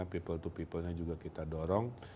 people to people nya juga kita dorong